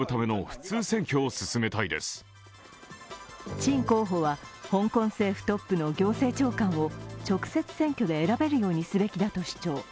陳候補は香港政府トップの行政長官を直接選挙で選べるようにすべきだと主張。